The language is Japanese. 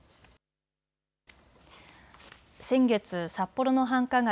先月、札幌の繁華街